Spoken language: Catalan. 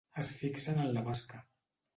Es fixen en la basca.